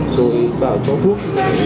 rồi bảo cho thuốc